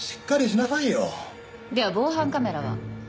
では防犯カメラは？